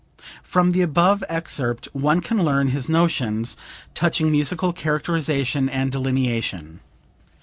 From the above excerpt one can learn his notions touching musical characterization and delineation.